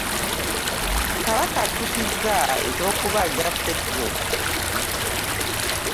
Kabaka attukizza eky'okubanja ffedero.